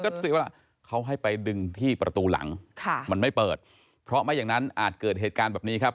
ก็สิว่าเขาให้ไปดึงที่ประตูหลังค่ะมันไม่เปิดเพราะไม่อย่างนั้นอาจเกิดเหตุการณ์แบบนี้ครับ